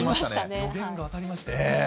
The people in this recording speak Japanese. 予言が当たりましたね。